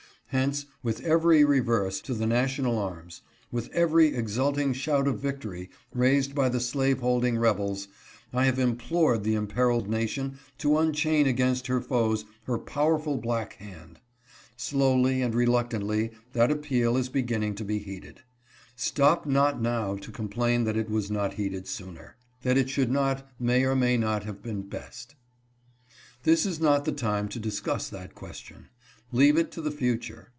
Hence, with every reverse to the national arms, with every exulting shout of victory raised by the slaveholding rebels, I have implored the imperiled nation to unchain against her foes her powerful black hand. Slowly and reluctantly that appeal is beginning to be heeded. Stop not now to complain that it was not heeded sooner. That it should not may or may not have been best. This is not the time to discuss that question. Leave it to the future.